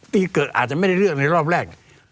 ปีเกิดอาจจะไม่ได้เลือกในรอบแรก